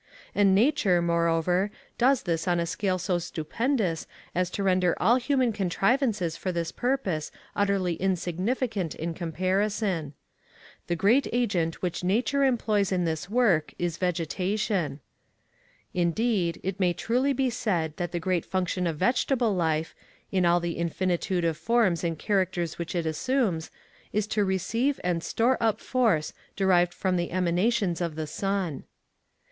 And nature, moreover, does this on a scale so stupendous as to render all human contrivances for this purpose utterly insignificant in comparison. The great agent which nature employs in this work is vegetation. Indeed, it may truly be said that the great function of vegetable life, in all the infinitude of forms and characters which it assumes, is to receive and store up force derived from the emanations of the sun.